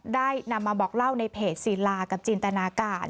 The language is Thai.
ได้นำมาบอกเล่าในเพจศิลากับจินตนาการ